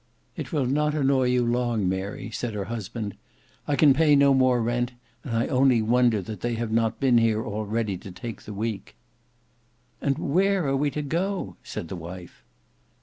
"It will not annoy you long, Mary," said her husband: "I can pay no more rent; and I only wonder they have not been here already to take the week." "And where are we to go?" said the wife.